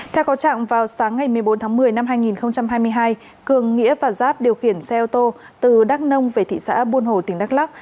theo có trạng vào sáng ngày một mươi bốn tháng một mươi năm hai nghìn hai mươi hai cường nghĩa và giáp điều khiển xe ô tô từ đắk nông về thị xã buôn hồ tỉnh đắk lắc